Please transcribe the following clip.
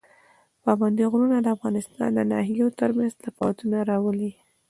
پابندي غرونه د افغانستان د ناحیو ترمنځ تفاوتونه راولي.